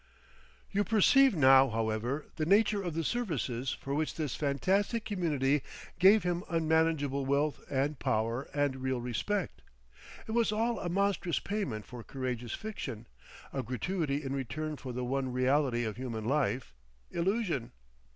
You perceive now, however, the nature of the services for which this fantastic community have him unmanageable wealth and power and real respect. It was all a monstrous payment for courageous fiction, a gratuity in return for the one reality of human life—illusion.